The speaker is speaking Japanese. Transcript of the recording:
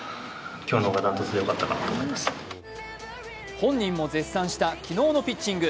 本人も絶賛した昨日のピッチング。